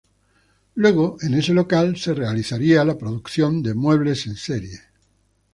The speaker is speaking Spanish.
Luego en ese local se realizaría la producción de muebles en serie.